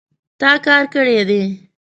تا کار کړی دی